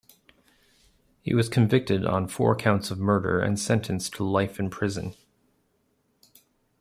He was convicted on four counts of murder and sentenced to life in prison.